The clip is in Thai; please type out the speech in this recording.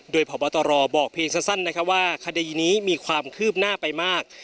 โดยพบตรบอกเพียงสั้นว่าคดีนี้มีความคืบหน้าไปมาก